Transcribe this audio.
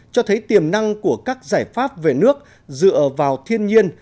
cho thấy tiềm năng của các giải pháp về nước dựa vào thiên nhiên